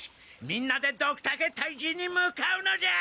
みんなでドクタケ退治に向かうのじゃ！